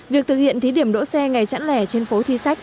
việc thực hiện thí điểm đỗ xe ngày chẵn lẻ trên phố thi sách